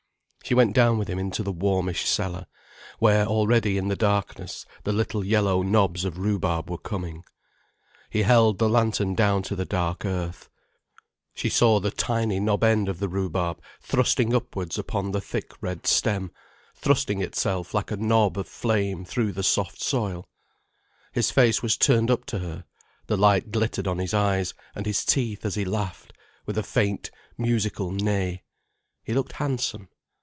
She went down with him into the warmish cellar, where already in the darkness the little yellow knobs of rhubarb were coming. He held the lantern down to the dark earth. She saw the tiny knob end of the rhubarb thrusting upwards upon the thick red stem, thrusting itself like a knob of flame through the soft soil. His face was turned up to her, the light glittered on his eyes and his teeth as he laughed, with a faint, musical neigh. He looked handsome.